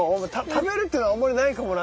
食べるっていうのはあんまりないかもな。